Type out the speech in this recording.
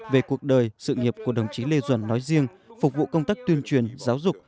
về cuộc đời sự nghiệp của đồng chí lê duẩn nói riêng phục vụ công tác tuyên truyền giáo dục